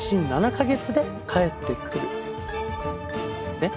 えっ？